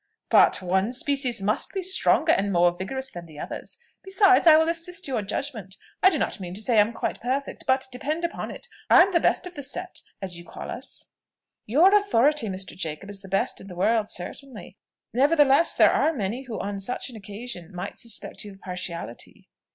"But one species must be stronger and more vigorous than the others. Besides, I will assist your judgment. I do not mean to say I am quite perfect; but, depend upon it, I'm the best of the set, as you call us." "Your authority, Mr. Jacob, is the best in the world, certainly. Nevertheless, there are many who on such an occasion might suspect you of partiality."